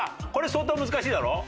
これ相当難しいだろ？